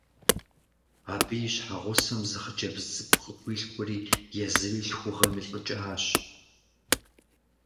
Абы и щхьэгъусэм зы хъыджэбз цӀыкӀу къыхуилъхури езыри лъхугъэм илӀыкӀащ.